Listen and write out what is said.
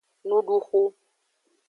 Nuduxu.